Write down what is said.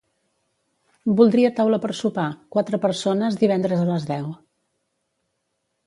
Voldria taula per sopar, quatre persones divendres a les deu.